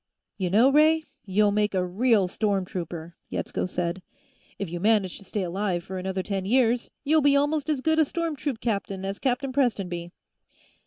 "You know, Ray, you'll make a real storm trooper," Yetsko said. "If you manage to stay alive for another ten years, you'll be almost as good a storm troop captain as Captain Prestonby."